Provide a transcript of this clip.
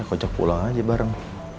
aku ajak pulang aja bareng